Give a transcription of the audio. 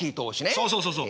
そうそうそうそう。